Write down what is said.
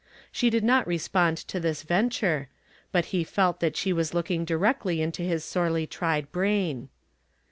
She did not respond to this venture, but he felt that she was looking directly into his sorely tried brain.